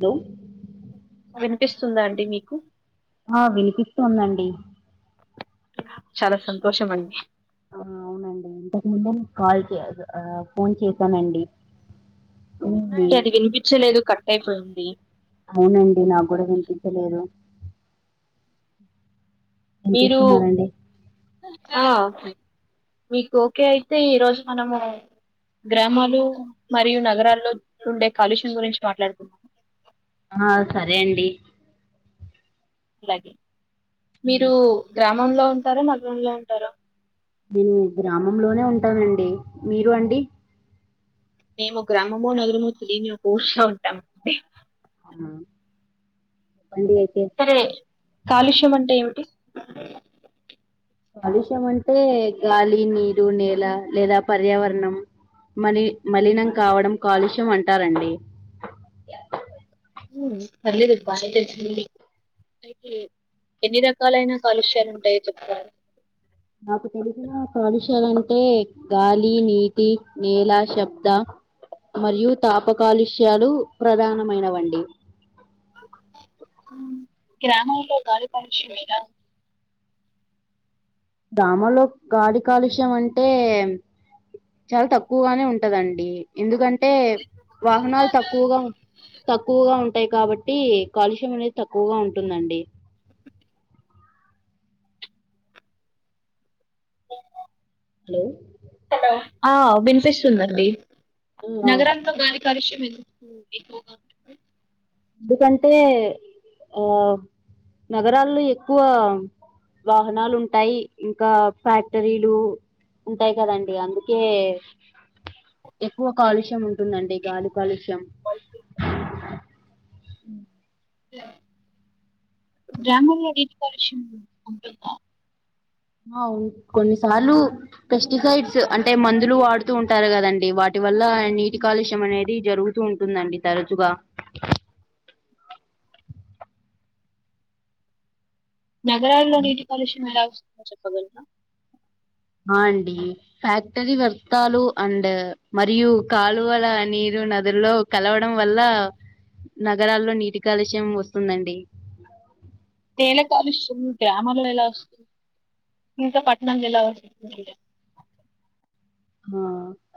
దొ వినిపిస్తుందా అండి మీకు ఆ వినిపిస్తూందండి చాలా సంతోషం అండి ఆ అవునండి ఇంతకు ముంద కాల్ చే ఫోన్ చేసానండి ఏంటే అది వినిపించలేదు కట్ అయిపోయింది అవునండి నాకు కూడా వినిపించలేదు ఏం మీరు చేస్తున్నారండి ఆ మీకు ఓకే అయితే ఈరోజు మనము గ్రామాలు మరియు నగరాల్లో ఉండే కాలుష్యం గురించి మాట్లాడుకుందాం ఆ సరే అండి అలాగే ఉమ్, మీరు గ్రామంలో ఉంటారా నగరంలో ఉంటారా ఉ నేను గ్రామంలోనే ఉంటానండి మీరు అండి మేము గ్రామములను తిరిగి కూర్సొంటాం ఉ సరే కాలుష్యం అంటే ఏమిటి కాలుష్యం అంటే గాలి నీరు నేల లేదా పర్యావరణం మలి మలినం కావడం కాలుష్యం అంటారండి ఉ పర్లేదు బానే తెచ్చింది అయితే ఎన్ని రకాలైన కాలుష్యాలు ఉంటాయో చెప్తారా నాకు తెలిసిన కాలుష్యాలంటే గాలి, నీటి, నేల, శబ్ద మరియు తాపకాలుష్యాలు ప్రధానమైనవండి గ్రామంల్లో దారి పరీక్ష లేదా గ్రామంలో కాలి కాలుష్యం అంటే చాలా తక్కువగానే ఉంటదండి ఎందుకంటే టే వాహనాలు తక్కువగా తక్కువగా ఉ వంటాయి కాబట్టి కాలుష్యం అనేది తక్కువగా ఉంటుందండి హలో హలో ఆ వినిపిస్తూ ఉండండి ఆ నగరంలో గాలి కలుష్యం ఎక్కువగా ఎందుకంటే ఆ నగరాల్లో ఎక్కువ వాహనాలు ఉంటాయి ఇంకా ఫ్యాక్టరీలు ఉంటాయి కదండి అందుకే ఎక్కువ కాలుష్యం ఉ ంటుందండి గాలీ కాలుష్యం గ్రామం లోడి నీటి ఆను కొన్నిసార్లు పెస్టిసైడ్స్ అంటే మందులు వాడుతూ ఉంటారు కదండి వాటి వల్ల నీటి కాలుష్యం అనేది జరుగుతూ ఉంటుందండి తరచుగా నగరాల్లో నీటి కలుష్యం ఎలా వస్తుందో చెప్పగలరా ఆ అండి ఫ్యాక్టరీ వర్తాలు అండ్ మరియు కాలువల నీరు నదులో కలవడం వల్ల నగరాల్లో నీటి కాలుష్యం వస్తుందండి నేల కాలుష్యం ఉతాయి [unintelligible] ఇకా పాట్ణ గలా వ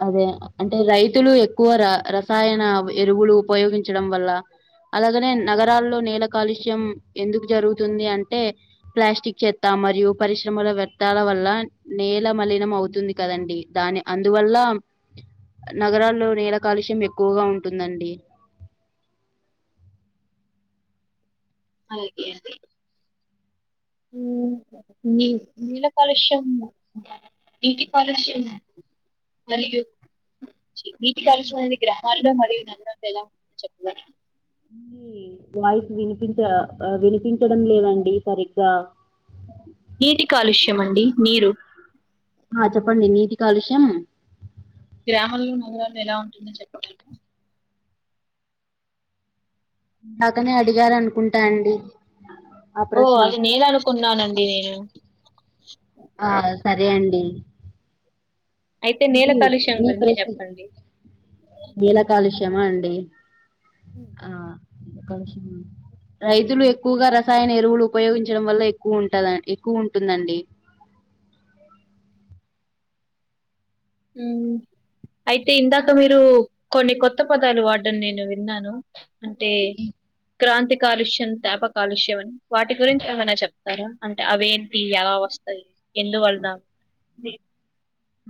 అదే అంటే రైతులు ఎక్కువ ర రసాయన ఎరువులు ఉపయోగించడం వల్ళ అలాగనే నగరాల్లో నేల కాలుష్యం ఎందుకు జరుగుతుంది అంటే ప్లాస్టిక్ చెత్తా మరియు పరిశ్రమల వ్యర్థాల వల్ల నేల మలినం అవుతుంది కదండి దాని అందువల్ల నగరాల్లో నేల కాలుష్యం ఎక్కువగా ఉంటుందండి అలాగే న నీ నీల కాలుష్యం నీటి కాలుష్యం మరియు నీటి కలుషనేది గ్రామాల్లో మరియు నగరాల్లో ఎలా ఉ చెప్ప వాయిస్ వినిపించ వినిపించడం లేదండి సరిగ్గా నీటి కాలుష్య అండి నీరు ఆ చెప్పండి నీటి కాలుష్యం గ్రామంలో నగరాలు ఎలా ఉంటుందని చెప్పటము దాకనే అడిగారు అనుకుంటా అండి ఆ ఓ ప్రశ్న అది నేను అనుకున్నానండి నేను ఆ సరే అండి అయితే నేల కాలుష్యం న గురించి ప్రశ్న చెప్పండి నలా కాలుష్య క్షమా అండి ఉమ్. ఆ విష రైతులు ఎక్కువగా రసాయన ఎరువులు ఉపయోగించడం వల్ల ఎక్కువ ఉంటది ఎక్కువ ఉంటుందండి ఉ అయితే ఇందాక మీరు కొన్ని కొత్త పదాలు వాడడం నేను విన్నాను అంటే క్రాంతి కాలుష్యం త్యాప కాలుష్యం అని వాటి గురించి ఏమైనా చెప్తారా అంటే అవేంటి ఎలా వస్త ఎందు వాళ్ళనా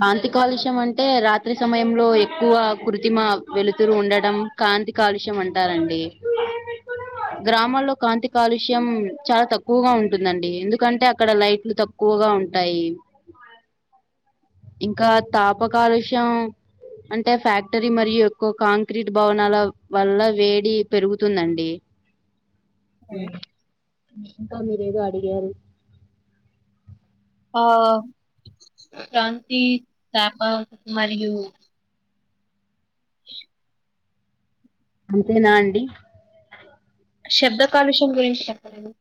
కాంతి కాలుష్యం అంటే అయితే రాత్రి సమయంలో ఎక్కువ కృత్రిమ వెలుతురు ఉండడం కాంతి కాలుష్యం అంటారండి టి గ్రామాల్లో కాంతి కాలుష్యం చాలా తక్కువగా ఉంటుందండి ఎందుకంటే అక్కడ లైట్లు తక్క్ క్కువగా ఉంటాయి ఇంకా తాప కాలుష్యం అంటే ఫ్యాక్టరీ మరియు ఎక్కువ కాంక్రీట్ భవనాల వల్ల వేడి పెరుగుతుందండి మ్మ్. ఇంకా మీరేదో అడిగారు ఆ ప్రంతి సాప మరియు అంతేనా అండి శబ్ద కాలుష్యం గురించి చెప్పలేదు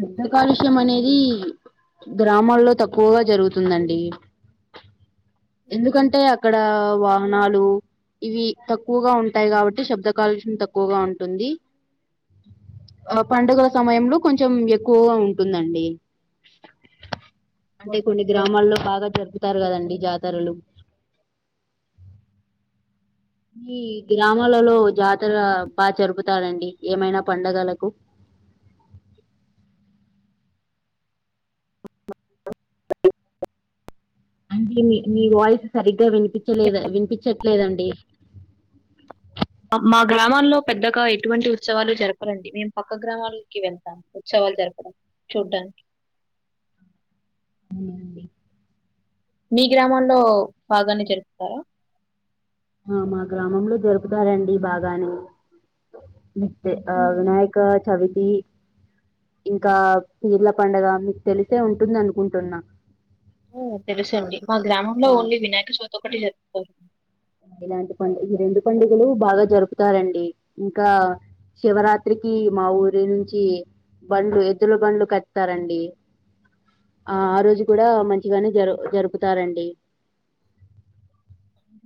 శబ్ద కాలుష్యం అనేది గ్రామాల్లో తక్కువగా జరుగుతుందండి ఎందుకంటే అక్కడ వాహనాలు ఇవి తక్కువగా ఉంటాయి కాబట్టి శబ్ద కాలుష్యం తక్కువగా ఉంటుంది ఆ పండుగల సమయంలో కొంచెం ఎక్కువగా ఉంటుందండి అంటే కొన్ని ఓకే. గ్రామాల్లో బాగా జరు తారు గదండి జాతరలు మీ గ్రామాలలో జాతర బా జరుపుతారండి ఏమైనా పండగలకు అంటే మీ వాయిస్ సరిగ్గా వినిపిచలేదు వినిపిచట్లేదండి మా గ్రామాల్లో పెద్దగా ఎటువంటి ఉత్సవాలు జరపరండి మేము పక్క గ్రామాలకి వెళ్తాం ఉత్సవా జరపడం చూడ్డానికి అవుండి మీ గ్రామంలో బాగాన్ని జరుపుతారా ఆ మా గ్రామంలో జరుపుతారండి బాగానే ఆ ఉమ్ వినాయక చవి ఇంకా పీర్ల పండగ మీకు తెలిసే ఉంటుందనుకుంటున్నా ఓ తెలుసండి మా గ్రామంలో ఆ. ఓన్లీ వినాయక చౌతి ఒకటే జరుపుతారు ఇలాంటి పండుగ ఈ రెండు పండుగలు బాగా జరుపుతారండి ఇంకా శివరాత్రికి మా ఊరి నుంచి బండ్లు ఎద్దుల బండ్లు కడతారండి ఆ ఆ రోజు కూడా మంచిగానే జరు జరుపుతారండి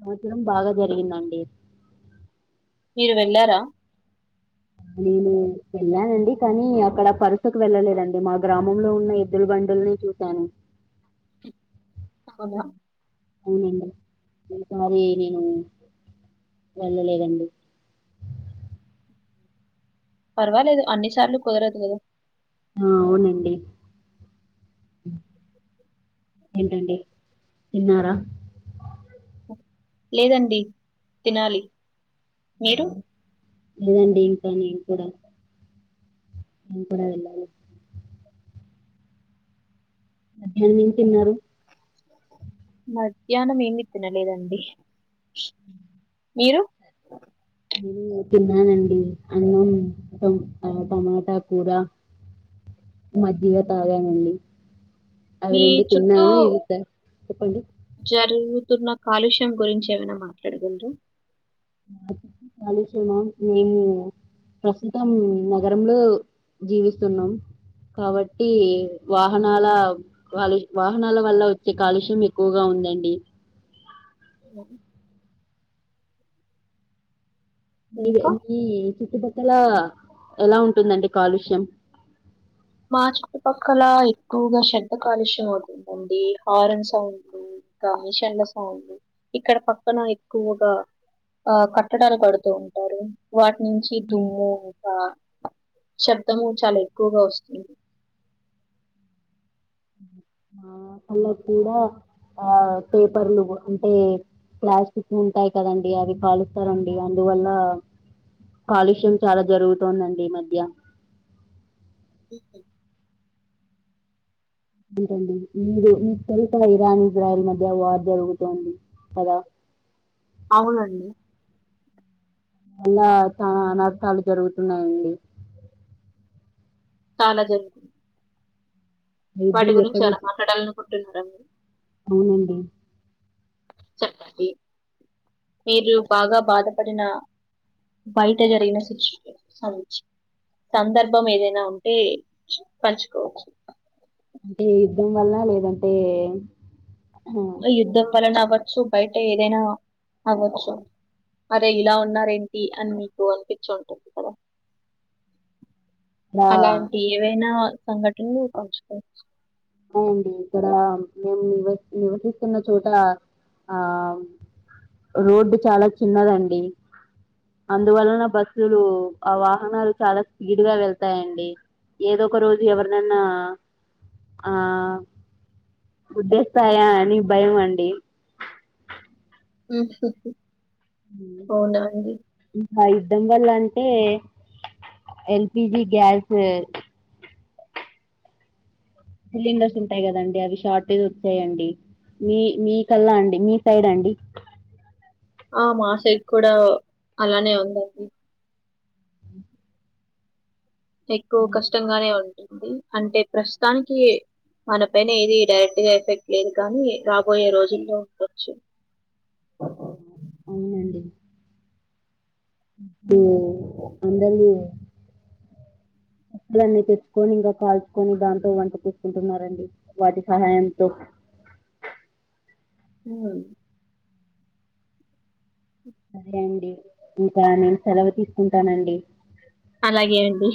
సంవత్సరం బాగా జరిగిందండి మీరు వెళ్ళారా నేను వెళ్ళానండి కానీ అక్కడ పరుసకు వెళ్ళలేదండి మా గ్రామంలో ఉన్న ఎద్దుల బండి బండ్లు చూసాను పకబో అవునండి ఇంకా ఏనిను వెళ్లలేదండి పర్వాలేదు అన్ని సార్లు కుదరదు ఆ అవునండి ఏంటండి తిన్నారా లేదండి తినాలి మీరు లేదండి ఇంకా నేను కూడా నేను కుడ వెళ్లాలి మధ్యాహ్నం ఏం తిన్నారు మధ్యానమేమి తినలేదండి మీరు తిన్నానండి అన్నం టమ్ టమాటా కూర మజ్జిగ తాగానండి అ మీ రెండూ చుట్టూ తిన్నాను ఇది త చెప్పండి [inaudible] తున్న కాలుష్యం గురించి ఏమైనా మాట్లాడగలరా [inaudible] కాలుష్యమా నేను ప్రస్తుతం నగరంలో జీవిస్తున్నాం కాబట్టి వాహనాల కాలు వాహనాల వల్ల వచ్చే కాలుష్యం ఎక్కువగా ఉం ఉందండి ఉమ్. ఇంకా [inaudible] మీ చుట్టుపక్కల ఎలా ఉంటుందండి కాలుష్యం మా చుట్టుపక్కల ఎక్కువగా శబ్ద కాలుష్యం అవుతుందండి హారన్ సౌండ్లు కా మిషన్ ల సౌండ్లు ఇక్కడ పక్కన ఎక్కువగా ఆ కట్టడాలు కడుతూ ఉంటారు వాటి నుంచి దుమ్ము ఇంకా శబ్దము చాలా ఎక్కువగా వస్సుం ఆ పల్లక్కూడా ఆ పేపర్లు అంటే ప్లాస్టిక్ ఉంటాయి కదండి అవి కాలుస్తారండి అందువల్ల కాలుష్యం చాలా జరుగుతోందండి ఈ మధ్య [unintelligible] మీరండి మీరు మీకు తెలుసుకదా ఇరాన్ ఇజ్రాయెల్ మధ్య వార్ జరుగుతోంది కదా అవునండి అలా చాలా అనర్థాలు జరుగుతున్నాయి అండి చాలా జరుగుతుంది ఆ వాటి యుద్ధం గురించి ఎక్కడో ఏమైనా చ- మాట్లాడాలనుకుంటున్నారా మీరు అవునండి చెప్పండి మీరు బాగా బాధపడిన బయట జరిగిన సిచ్యువేషన్స్ సందర్భం ఏదైనా ఉంటే పంచుకోవచ్చు అంటే యుద్ధం వల్ల లేదంటే ఆ, యుద్ధం వలన అవ్వచ్చు బయట ఏదైనా అవ్వచ్చు అరే ఇలా ఉన్నారేంటి అని మీకు అనిపిచ్చి ఉంటుంది కదా అహా అలాంటి ఏవైనా సంఘటనలు పంచుకోవచ్చు అవుండి ఇక్కడ మేము నివ నివసిస్తున్న చోట ఆమ్ రోడ్డు చాలా చిన్నదండి అందువలన బస్సులు ఆ వాహనాలు చాలా స్పీడ్గా వెళ్తాయండి ఏదో ఒక రోజు ఎవరిననా ఆ గుద్దేస్తాయా అని భయం అండి అవునా అండి ఆ యుద్దం వల్ల అంటే L P G gas cylinders ఉంటాయి కదండి అవి షార్టేజ్ వచ్చాయండి మీ మీ కల్లా అండి మీ సైడ్ అండి ఆ మా సైట్ కూడా అలానే ఉందండి ఎక్కువ కష్టంగానే ఉంటుంది అంటే ప్రస్తుతానికి మన పైన ఏదీ డైరెక్ట్ గా ఎఫెక్ట్ లేదు కానీ రాబోయే రోజుల్లో ఉండొచ్చు అవునండి హ్మ్. [inaudible] కట్లన్నీ తెచ్చుకొని ఇంకా కాల్చుకొని దాంతో వంట చేసుకుంటున్నారండి వాటి సహాయంతో [unintelligible] సరే అండి ఇంకా నేను సెలవు తీసుకుంటానండి, అలాగే అండి